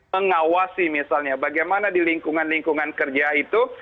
mengawasi misalnya bagaimana di lingkungan lingkungan kerja itu